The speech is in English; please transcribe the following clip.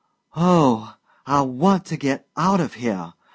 "Oh, I want to get out of here!